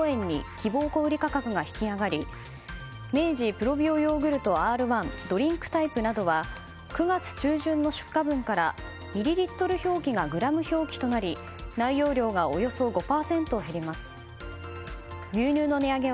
プロビオヨーグルトＲ‐１ドリンクタイプなどは９月中旬の出荷分からミリリットル表記がグラム表記となり内容量がおよそ５％減ります。